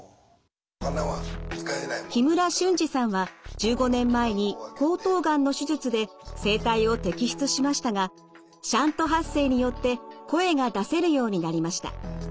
木村俊治さんは１５年前に喉頭がんの手術で声帯を摘出しましたがシャント発声によって声が出せるようになりました。